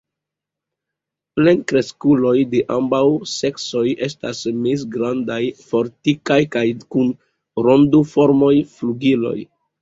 Plenkreskuloj de ambaŭ seksoj estas mezgrandaj, fortikaj kaj kun rondoformaj flugiloj.